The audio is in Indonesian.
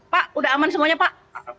pak udah aman semuanya pak